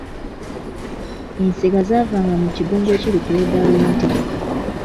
Ensega zaavanga mu Kigungu ekiri ku ludda lw’e Entebbe.